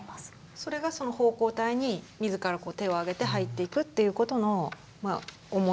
それがその奉公隊に自ら手を挙げて入っていくっていうことの思いとして考えられる。